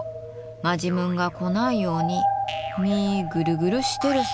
マジムンが来ないようにみぐるぐるしてるさ。